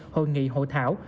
hội nghị hội thảo